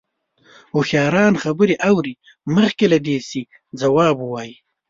هوښیاران خبرې اوري مخکې له دې چې ځواب ووايي.